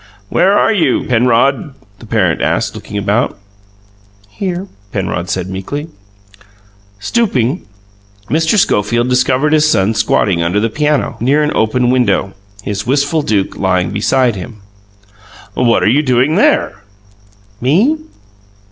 "Where are you, Penrod?" the parent asked, looking about. "Here," said Penrod meekly. Stooping, Mr. Schofield discovered his son squatting under the piano, near an open window his wistful Duke lying beside him. "What are you doing there?" "Me?"